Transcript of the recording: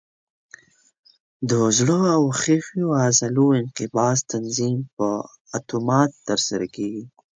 د زړه او ښویو عضلو انقباض تنظیم په اتومات ترسره کېږي.